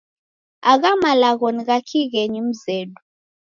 Agha malagho ni gha kighenyi mzedu.